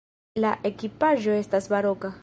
La ekipaĵo estas baroka.